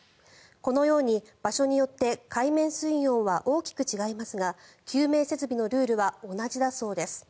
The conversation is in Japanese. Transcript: このように場所によって海面水温は大きく違いますが救命設備のルールは同じだそうです。